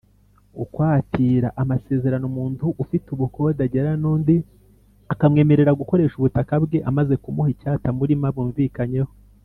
Ukwatira: amasezerano umuntu ufite ubukode agirana n’undi akamwemerera gukoresha ubutaka bwe amaze kumuha icyatamurima bumvikanyeho;